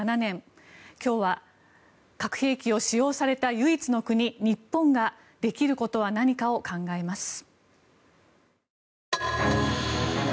今日は、核兵器を使用された唯一の国、日本ができることは何かを考えます。